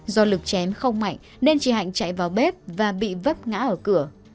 do lực chém không mạnh nên chị hạnh chạy vào bếp và bị vấp ngã ở cửa